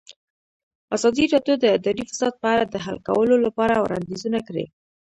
ازادي راډیو د اداري فساد په اړه د حل کولو لپاره وړاندیزونه کړي.